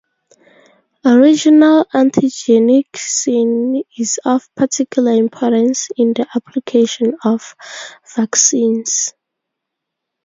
Original antigenic sin is of particular importance in the application of vaccines.